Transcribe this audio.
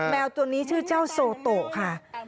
แมวตัวนี้ชื่อเจ้าโซโตค่ะ